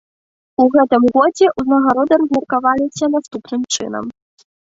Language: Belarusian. У гэтым годзе ўзнагароды размеркаваліся наступным чынам.